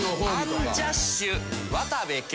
アンジャッシュ渡部建。